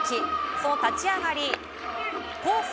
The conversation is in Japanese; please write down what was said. その立ち上がりコース